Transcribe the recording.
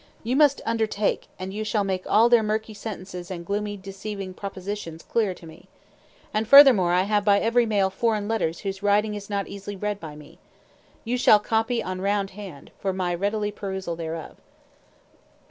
You must undertake; and you shall make all their murky sentences and gloomily deceiving propositions clear to me. And, furthermore, I have by every mail foreign letters whose writing is not easily read by me. You shall copy on round hand, for my readily perusal thereof."